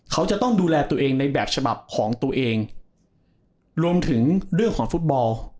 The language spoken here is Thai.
เขาจะต้องดูแลตัวเองในแบบฉบับของตัวเองรวมถึงเรื่องของฟุตบอล